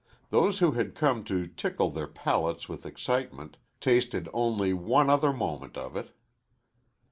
Those who had come to tickle their palates with excitement tasted only one other moment of it.